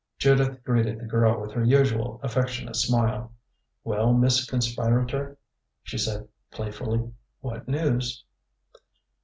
Judith greeted the girl with her usual affectionate smile. "Well, Miss Conspirator," she said playfully, "what news?"